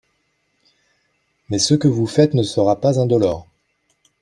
Mais ce que vous faites ne sera pas indolore.